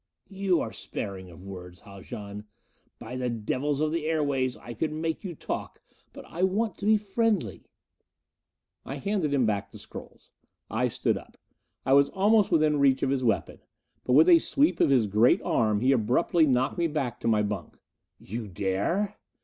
"You are sparing of words, Haljan. By the devils of the airways, I could make you talk! But I want to be friendly." I handed him back the scrolls. I stood up; I was almost within reach of his weapon, but with a sweep of his great arm he abruptly knocked me back to my bunk. "You dare?"